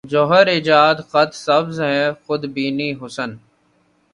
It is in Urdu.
جوہر ایجاد خط سبز ہے خود بینیٔ حسن